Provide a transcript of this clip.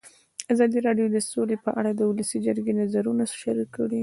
ازادي راډیو د سوله په اړه د ولسي جرګې نظرونه شریک کړي.